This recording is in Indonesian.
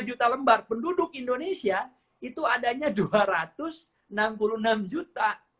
dua puluh juta lembar penduduk indonesia itu adanya dua ratus enam puluh enam juta